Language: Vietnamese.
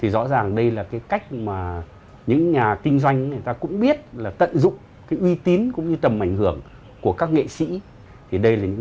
rõ ràng đây là cách mà những nhà kinh doanh cũng biết tận dụng uy tín cũng như tầm ảnh hưởng của các nghệ sĩ